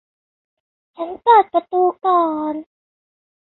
ฉันเปิดประตูก่อน